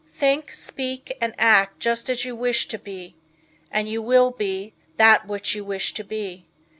"Think, speak and act just as you wish to be, And you will be that which you wish to be."